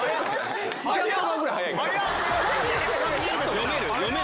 読める？